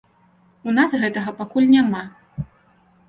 У нас гэтага пакуль няма.